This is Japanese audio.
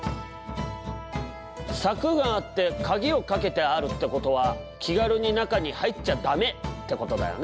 柵があって鍵をかけてあるってことは気軽に中に入っちゃダメ！ってことだよな。